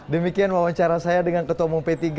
demikian wawancara saya dengan ketemu p tiga